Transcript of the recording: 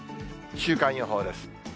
週間予報です。